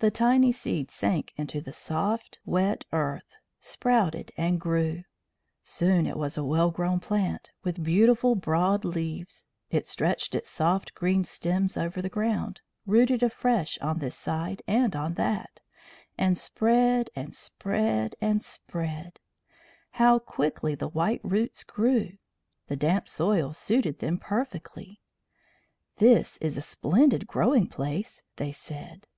The tiny seed sank into the soft wet earth, sprouted, and grew. Soon it was a well grown plant, with beautiful broad leaves. It stretched its soft green stems over the ground, rooted afresh on this side and on that, and spread and spread and spread. How quickly the white roots grew! The damp soil suited them perfectly. "This is a splendid growing place," they said.